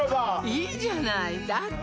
いいじゃないだって